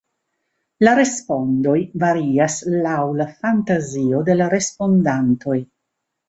La respondoj varias laŭ la fantazio de la respondantoj.